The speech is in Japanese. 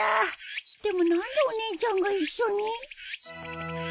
でも何でお姉ちゃんが一緒に？